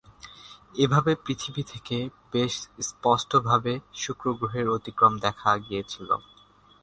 এভাবে পৃথিবী থেকে বেশ স্পষ্টভাবে শুক্র গ্রহের অতিক্রম দেখা গিয়েছিল।